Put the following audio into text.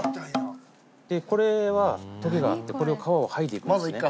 これはトゲがあってこれを皮を剥いでいくんですね。